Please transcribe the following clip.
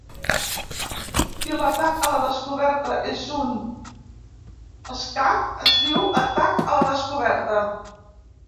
Si l'atac a la descoberta és un escac, es diu atac a la descoberta